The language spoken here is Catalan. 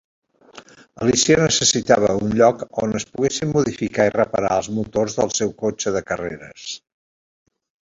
Alícia necessitava un lloc on es poguessin modificar i reparar els motors del seu cotxe de carreres.